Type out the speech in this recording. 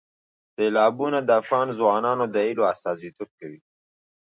سیلابونه د افغان ځوانانو د هیلو استازیتوب کوي.